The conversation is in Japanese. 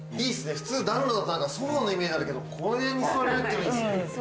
普通暖炉だとソファのイメージなんだけどこの辺に座れるっていいですね。